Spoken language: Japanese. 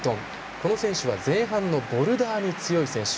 この選手は前半のボルダーに強い選手。